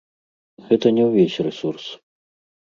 Гэта не ўвесь рэсурс.